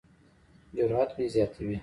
جرات مې زیاتوي.